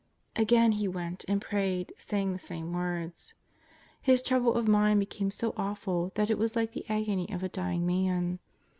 Again He went and prayed saying the same words! His trouble of mind became so awful that it was like the agony of a dying man.